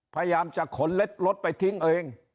พยายามจะขนเล็ดรถไปทิ้งเอง